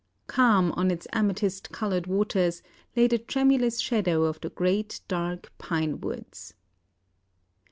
Calm on its amethyst coloured waters lay the tremulous shadow of the great dark pine woods.